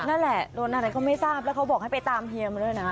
นั่นแหละโดนอะไรก็ไม่ทราบแล้วเขาบอกให้ไปตามเฮียมาด้วยนะ